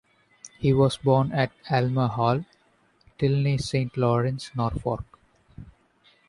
He was born at Aylmer Hall, Tilney Saint Lawrence, Norfolk.